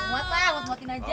muat lah aku muatin aja